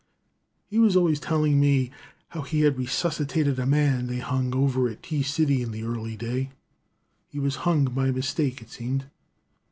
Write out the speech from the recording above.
"He was always telling me how he had resuscitated a man they hung over at T City in the early day. He was hung by mistake, it seemed.